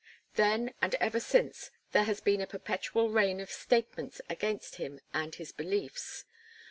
Then and ever since there has been a perpetual rain of statements against him and his beliefs.